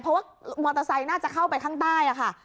เพราะว่ามอเตอร์ไซค์น่าจะเข้าไปข้างใต้ค่ะ